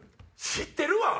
知ってるわ！